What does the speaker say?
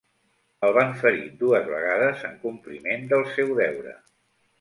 El van ferir dues vegades en compliment del seu deure.